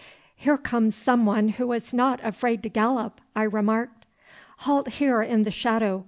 'Here comes some one who is not afraid to gallop,' I remarked. 'Halt here in the shadow!